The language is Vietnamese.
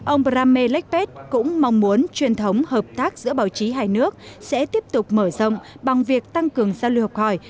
ông prame lekpat cũng mong muốn truyền thống hợp tác giữa báo chí hai nước sẽ tiếp tục mở rộng bằng việc tăng cường giao lưu học hỏi